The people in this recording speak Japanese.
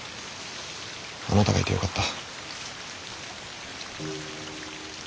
あなたがいてよかった。